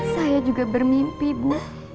saya juga bermimpi bu